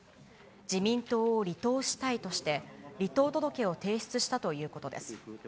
自民党を離党したいとして、離党届を提出したということです。